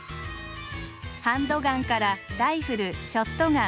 ハンドガンからライフルショットガン。